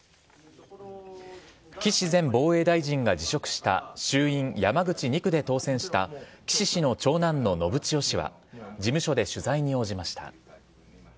岸前防衛大臣が辞職した衆院山口２区で当選した、岸氏の長男の信千世氏は事務所で取材に応じました。